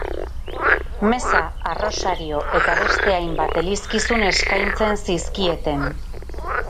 Meza, arrosario eta beste hainbat elizkizun eskaintzen zizkieten.